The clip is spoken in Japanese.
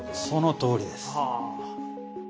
そのとおりです。